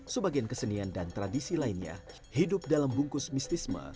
sebagian kesenian dan tradisi lainnya hidup dalam bungkus mistisme